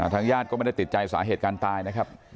ทางญาติก็ไม่ได้ติดใจสาเหตุการณ์ตายนะครับ